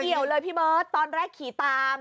เกี่ยวเลยพี่เบิร์ตตอนแรกขี่ตาม